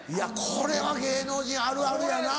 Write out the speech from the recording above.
これは芸能人あるあるやな。